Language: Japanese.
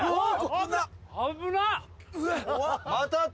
うわっ！